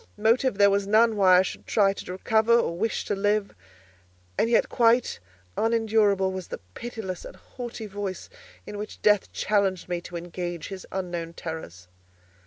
Motive there was none why I should try to recover or wish to live; and yet quite unendurable was the pitiless and haughty voice in which Death challenged me to engage his unknown terrors.